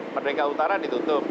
merdeka utara ditutup